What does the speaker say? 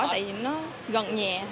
tại vì nó gần nhà